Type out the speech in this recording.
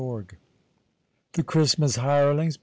162 The Christmas Hirelings.